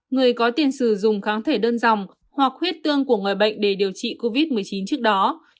người có tiền sử dụng kháng thể đơn dòng hoặc huyết tương của người bệnh để điều trị covid một mươi chín trước đó